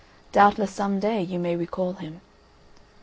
Doubtless some day you may recall him."